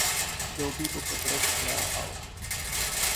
دھوبی کو کپڑے پکڑا او